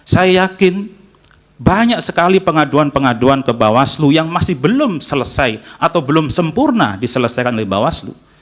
saya yakin banyak sekali pengaduan pengaduan ke bawaslu yang masih belum selesai atau belum sempurna diselesaikan oleh bawaslu